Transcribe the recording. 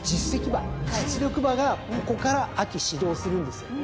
馬実力馬がここから秋始動するんですよ。